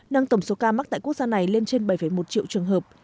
nâng tổng số ca mắc tại quốc gia này lên trên bảy một triệu trường hợp